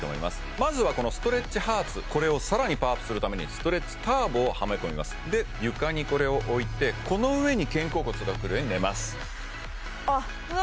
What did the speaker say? まずはこのストレッチハーツこれを更にパワーアップするためにストレッチターボをはめ込みますで床にこれを置いてこの上に肩甲骨がくるように寝ますあっうわ